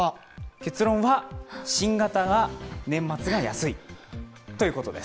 結論は、新型が年末が安いということです。